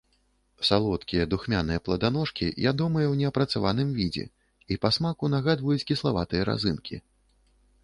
Салодкія духмяныя пладаножкі ядомыя ў неапрацаваным відзе і па смаку нагадваюць кіславатыя разынкі.